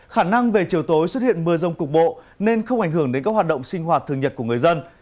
khả năng về chiều tối xuất hiện mưa rông cục bộ nên không ảnh hưởng đến các hoạt động sinh hoạt thường nhật của người dân